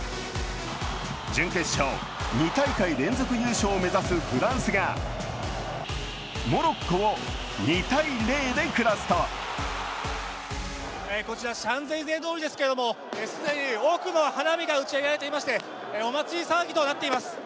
準決勝、２大会連続優勝を目指すフランスがモロッコを２−０で下すとこちらシャンゼリゼ通りですけれども、既に多くの花火が打ち上げられていましてお祭り騒ぎとなっています。